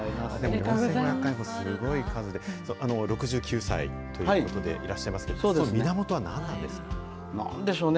４５００回すごい数で、６９歳ということでいらっしゃいますけれども、その源は何なんでしょうか。